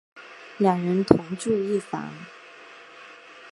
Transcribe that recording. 两人同住一房。